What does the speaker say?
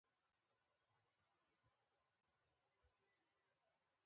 پکار ده چې دا پښتو رسنۍ په سوچه پښتو ليکل او خپرونې وړاندی کړي